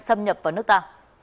xâm nhập vào nước ta